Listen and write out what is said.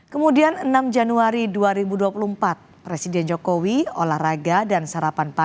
kemudian enam januari dua ribu dua puluh empat presiden jokowi olahraga dan sarapan pagi